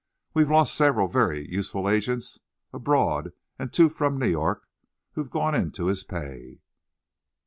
We've lost several very useful agents abroad and two from New York who've gone into his pay.